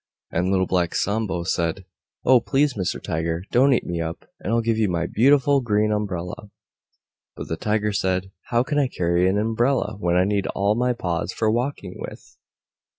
And Little Black Sambo said, "Oh! Please Mr. Tiger, don't eat me up, and I'll give you my beautiful Green Umbrella." But the Tiger said, "How can I carry an umbrella, when I need all my paws for walking with?"